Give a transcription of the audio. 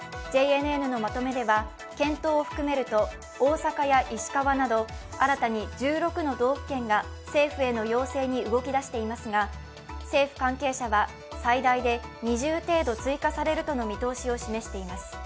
ＪＮＮのまとめでは、検討を含めると大阪や石川など新たに１６の道府県が政府への要請に動き出していますが、政府関係者は最大で２０程度追加されるとの見通しを示しています。